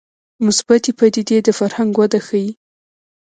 مثبتې پدیدې د فرهنګ وده ښيي